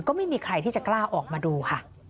ก็ไม่มีใครที่จะกล้าออกมาดูค่ะ